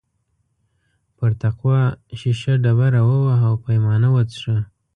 پر تقوا شیشه ډبره ووهه او پیمانه وڅښه.